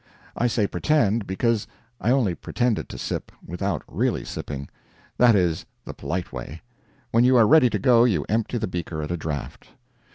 I say pretend, because I only pretended to sip, without really sipping. That is the polite way; but when you are ready to go, you empty the beaker at a draught.